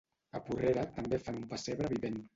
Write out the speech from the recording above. A Porrera també fan un pessebre vivent.